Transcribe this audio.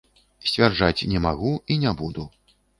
Сцвярджаць не магу і не буду.